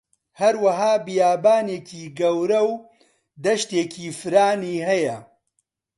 هەروەها بیابانێکی گەورە و دەشتێکی فران هەیە